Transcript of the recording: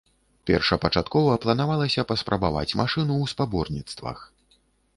Першапачаткова планавалася паспрабаваць машыну ў спаборніцтвах.